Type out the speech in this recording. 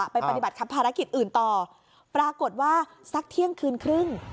ปฏิบัติทำภารกิจอื่นต่อปรากฏว่าสักเที่ยงคืนครึ่ง